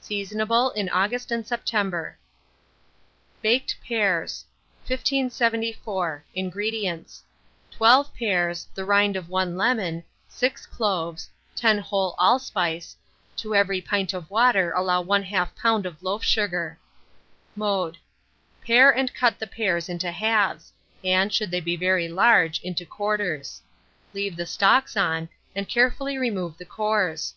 Seasonable in August and September. BAKED PEARS. 1574. INGREDIENTS. 12 pears, the rind of 1 lemon, 6 cloves, 10 whole allspice; to every pint of water allow 1/2 lb. of loaf sugar. Mode. Pare and cut the pears into halves, and, should they be very large, into quarters; leave the stalks on, and carefully remove the cores.